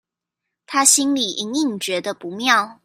她心裡隱隱覺得不妙